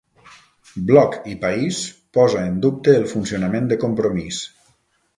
Bloc i País posa en dubte el funcionament de Compromís